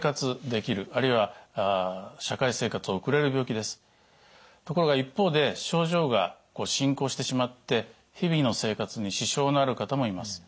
ですからところが一方で症状が進行してしまって日々の生活に支障のある方もいます。